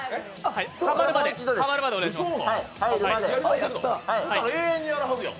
はまるまでお願いします。